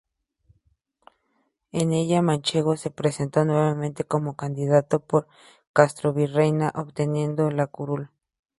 En ellas, Manchego se presentó nuevamente como candidato por Castrovirreyna, obteniendo la curul.